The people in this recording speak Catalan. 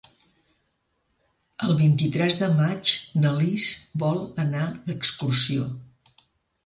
El vint-i-tres de maig na Lis vol anar d'excursió.